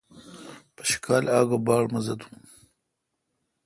پشکال اگو باڑ مزہ تھون۔